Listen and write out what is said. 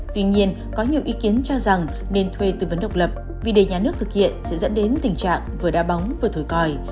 tuy nhiên có nhiều ý kiến cho rằng nên thuê tư vấn độc lập vì đề nhà nước thực hiện sẽ dẫn đến tình trạng vừa đa bóng vừa thổi còi